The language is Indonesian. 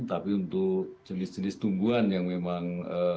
tapi untuk jenis jenis tumbuhan yang memang